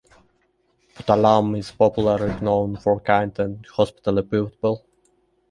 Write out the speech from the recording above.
Puttalam is popularly known for kind and hospitality people.